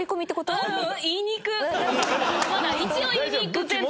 まだ一応言いに行く前提。